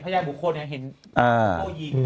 พระยาบุคคลเห็นโป้ยิง